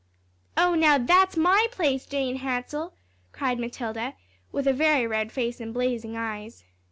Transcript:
"Oh, now, that's my place, Jane Hansell," cried Matilda, with a very red face and blazing eyes.